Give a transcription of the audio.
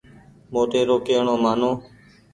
موٽي رو ڪي ڻو مآنو۔